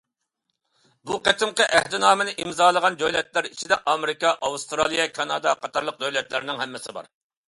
بۇ قېتىمقى ئەھدىنامىنى ئىمزالىغان دۆلەتلەر ئىچىدە ئامېرىكا، ئاۋسترالىيە، كانادا قاتارلىق دۆلەتلەرنىڭ ھەممىسى بار.